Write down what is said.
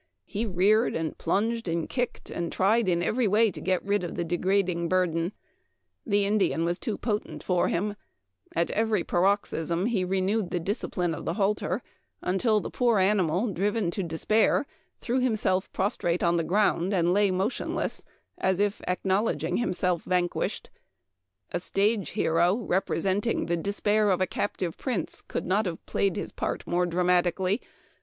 He reared, and plunged, and kicked, and tried in every way to get rid of the degrading burden. The Indian was too potent for him. At every paroxysm he renewed the discipline oi the halter, until the Memoir of Washington Irving. 221 poor animal, driven to rate on the ground and lay motionle if acknov. himself vanquished, hero, representing air of a captive prince, could not have played his part more dramatically.